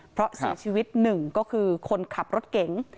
เพราะเสียชีวิตหนึ่งก็คือคนขับรถเก๋ง